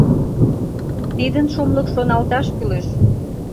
Тидын шумлык шоналташ кӱлеш.